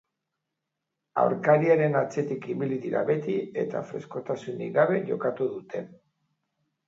Aurkariaren atzetik ibili dira beti, eta freskotasunik gabe jokatu dute.